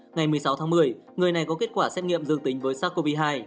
ngày một mươi sáu tháng một mươi người này có kết quả xét nghiệm dương tính với sars cov hai